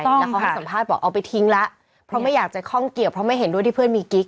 แล้วเขาให้สัมภาษณ์บอกเอาไปทิ้งแล้วเพราะไม่อยากจะข้องเกี่ยวเพราะไม่เห็นด้วยที่เพื่อนมีกิ๊ก